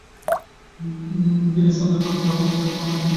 বিনয় বরদাসুন্দরী-কর্তৃক হরিমোহিনীর অপমানে উত্তেজিত হইয়া এ কথা ভাবে নাই।